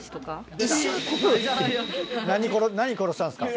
何何殺したんですか？